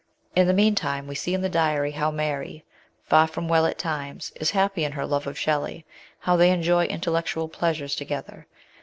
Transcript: In the meantime we see in the diary how Mary, far from well at times, is happy in her love of Shelley how they enjoy intellectual pleasures together.